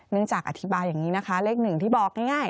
จากอธิบายอย่างนี้นะคะเลขหนึ่งที่บอกง่าย